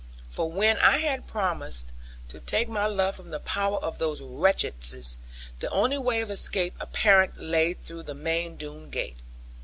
For when I had promised to take my love from the power of those wretches, the only way of escape apparent lay through the main Doone gate.